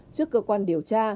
trước cơ quan điều tra